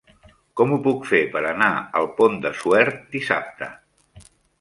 Com ho puc fer per anar al Pont de Suert dissabte?